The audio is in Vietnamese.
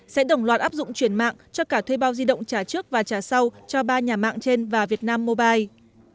sẽ đồng loạt áp dụng chuyển mạng cho cả thuê bao di động trả trước và trả sau cho ba nhà mạng trên và vietnam mobile